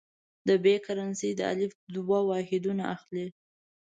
د ب کرنسي د الف دوه واحدونه اخلي.